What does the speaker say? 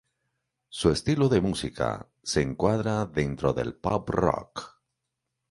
Su estilo de música se encuadra dentro del pop rock.